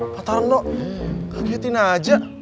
matarang dong kagetin aja